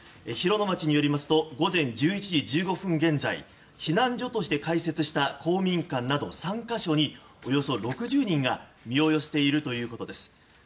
広野町によりますと午前１１時１５分現在避難所として開設した公民館など３か所におよそ６０人が身を寄せているということです。